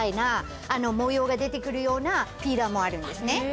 が出てくるようなピーラーもあるんですね。